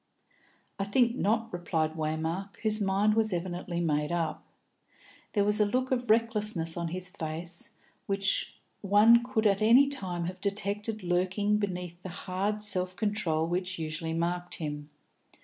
"I think not," replied Waymark, whose mind was evidently made up. There was a look of recklessness on his face which one could at any time have detected lurking beneath the hard self control which usually marked him.